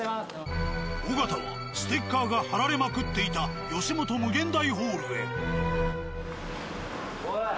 尾形はステッカーが貼られまくっていたヨシモト∞ホールへ。